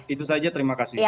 itu saja terima kasih